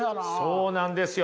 そうなんですよ。